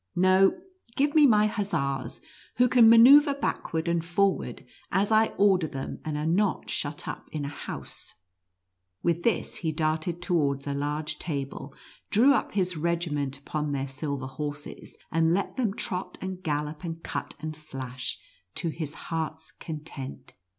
No, give me my hussars, who can manoeuvre backward and for ward, as I order them, and are not shat up in a house." \Yith this, he darted towards a large table, drew up his regiment upon their silver horses, and let them trot and gallop, and cut and slash, to his heart's content.